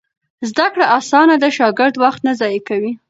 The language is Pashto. زده کړه اسانه ده، شاګرد وخت نه ضایع کوي.